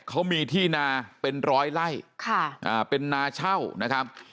เขามีที่นาเป็นร้อยไล่เป็นนาเช่านะครับ